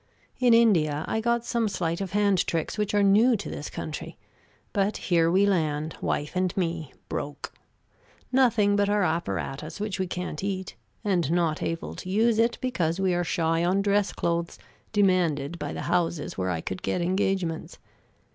In India I got some sleight of hand tricks which are new to this country; but here we land, wife and me, broke. Nothing but our apparatus, which we can't eat; and not able to use it, because we are shy on dress clothes demanded by the houses where I could get engagements.